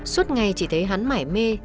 suốt ngày chỉ thấy hắn mải mê